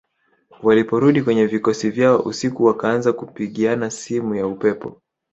Waliporudi kwenye vikosi vyao usiku wakaanza kupigiana simu ya upepo